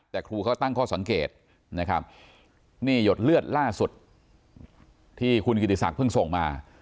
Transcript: แต่ครูเขาตั้งข้อสังเกตนะครับนี่หยดเลือดล่าสุดที่คุณกิติศักดิ์เพิ่งส่งมา